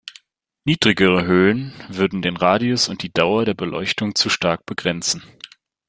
Niedrigere Höhen würden den Radius und die Dauer der Beleuchtung zu stark begrenzen.